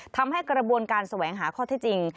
ทำให้กระบวนการแสวงหาข้อเท็จจริง